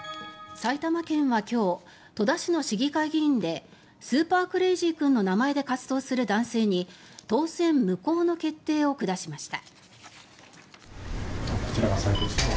埼玉県は今日戸田市の市議会議員でスーパークレイジー君の名前で活動する議員に当選無効の決定を下しました。